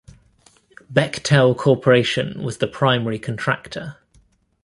Bechtel Corporation was the primary contractor.